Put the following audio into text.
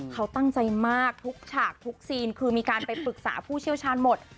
เขาตั้งใจมากทุกฉากทุกซีนคือมีการไปปรึกษาผู้เชี่ยวชาญหมด